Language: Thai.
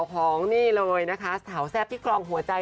ของนี่เลยนะคะเศร้าแซปที่กล่องหัวใจ